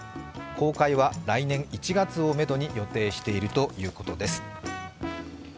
公開は来年１月をめどに予定しているということです。